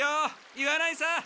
言わないさ。